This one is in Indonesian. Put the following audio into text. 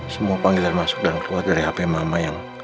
semua panggilan masuk dan keluar dari hp mama yang